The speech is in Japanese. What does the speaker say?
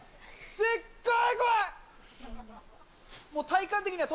すっごい怖い。